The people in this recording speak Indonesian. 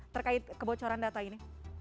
terkait kebocoran data ini